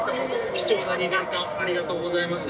貴重な２年間ありがとうございます。